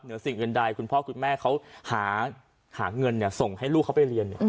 สิ่งอื่นใดคุณพ่อคุณแม่เขาหาเงินส่งให้ลูกเขาไปเรียน